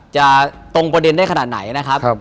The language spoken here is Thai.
ตรงประเด็นได้ขนาดไหนนะครับ